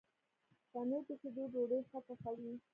تنور د شیدو ډوډۍ ښه پخوي